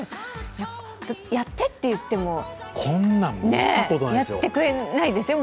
やってって言ってもやってくれないですよ。